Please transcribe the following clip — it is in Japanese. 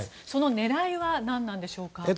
その狙いは何なんでしょうか。